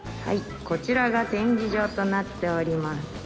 はいこちらが展示場となっております